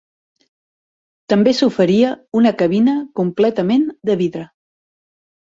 També s'oferia una cabina completament de vidre.